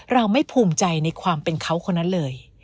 เราไม่ภูมิใจในความเป็นเขาคนนั้นเลย